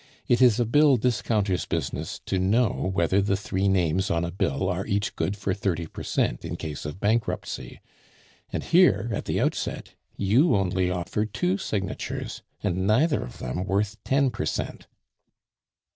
It is a bill discounter's business to know whether the three names on a bill are each good for thirty per cent in case of bankruptcy. And here at the outset you only offer two signatures, and neither of them worth ten per cent."